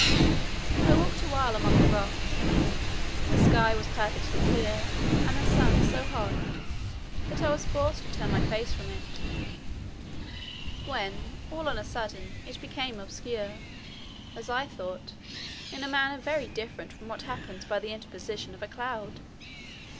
I walked awhile among the rocks: the sky was perfectly clear, and the sun so hot, that I was forced to turn my face from it: when all on a sudden it became obscure, as I thought, in a manner very different from what happens by the interposition of a cloud.